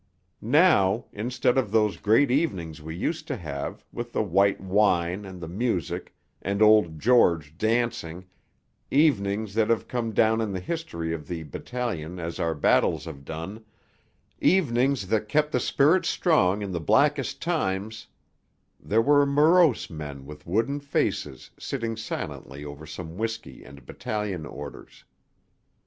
Now, instead of those great evenings we used to have, with the white wine, and the music, and old George dancing, evenings that have come down in the history of the battalion as our battles have done, evenings that kept the spirit strong in the blackest times there were morose men with wooden faces sitting silently over some whisky and Battalion Orders....